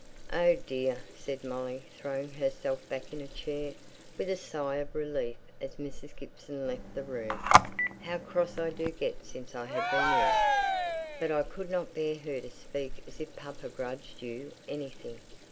"Oh, dear!" said Molly, throwing herself back in a chair, with a sigh of relief, as Mrs. Gibson left the room; "how cross I do get since I've been ill! But I couldn't bear her to speak as if papa grudged you anything."